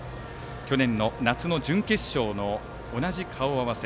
去年の夏の準決勝と同じ顔合わせ。